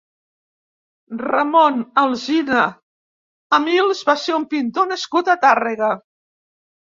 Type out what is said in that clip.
Ramon Alsina Amils va ser un pintor nascut a Tàrrega.